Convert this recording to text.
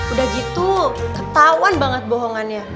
udah gitu ketahuan banget bohongannya